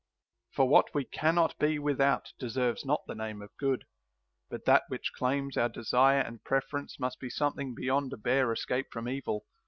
8. For what we cannot be without deserves not the name of good ; but that which claims our desire and preference must be something beyond a bare escape from evil.